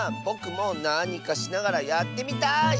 ぼくもなにかしながらやってみたい！